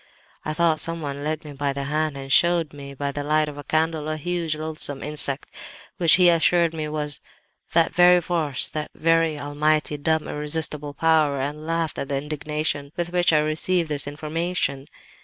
"I thought someone led me by the hand and showed me, by the light of a candle, a huge, loathsome insect, which he assured me was that very force, that very almighty, dumb, irresistible Power, and laughed at the indignation with which I received this information.